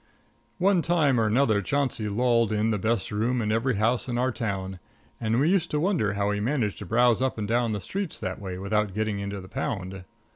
One time or another Chauncey lolled in the best room of every house in our town, and we used to wonder how he managed to browse up and down the streets that way without getting into the pound.